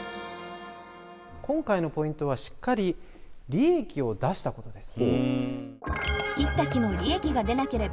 今回のポイントはしっかり利益を出したことです。